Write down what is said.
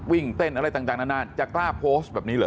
วิ่งเต้นอะไรต่างนานจะกล้าโพสต์แบบนี้เหรอ